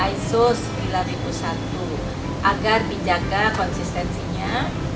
iso sembilan ribu satu agar dijaga konsistensinya